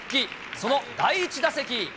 その第１打席。